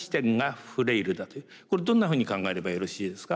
これどんなふうに考えればよろしいですか？